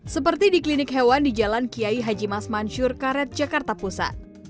seperti di klinik hewan di jalan kiai haji mas mansur karet jakarta pusat